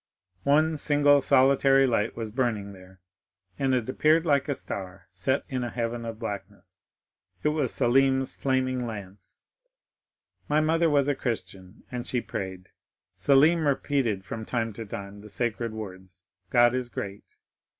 One single, solitary light was burning there, and it appeared like a star set in a heaven of blackness; it was Selim's flaming lance. My mother was a Christian, and she prayed. Selim repeated from time to time the sacred words: 'God is great!